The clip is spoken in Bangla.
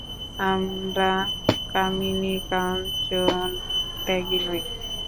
আমরা কামিনীকাঞ্চনত্যাগী নই।